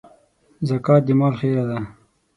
زکات د مال خيره ده.